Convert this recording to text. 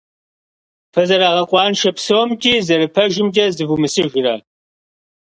Фызэрагъэкъуаншэ псомкӏи зэрыпэжымкӏэ зывумысыжрэ?